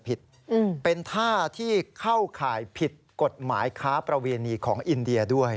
ผิดเป็นท่าที่เข้าข่ายผิดกฎหมายค้าประเวณีของอินเดียด้วย